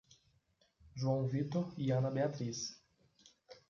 João Vitor e Ana Beatriz